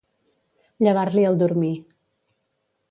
Llevar-li el dormir.